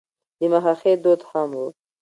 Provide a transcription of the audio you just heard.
د مخه ښې دود هم و.